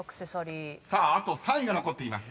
さああと３位が残っています］